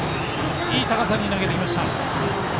いい高さに投げてきました。